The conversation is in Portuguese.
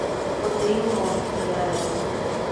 Odeio o nome que dei a ela